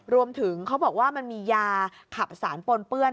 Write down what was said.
รวมถึงเขาบอกว่ามันมียาขับสารปล้นเปื้อน